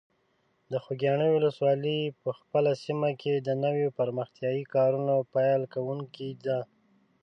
د خوږیاڼي ولسوالۍ په خپله سیمه کې د نویو پرمختیایي کارونو پیل کوونکی ده.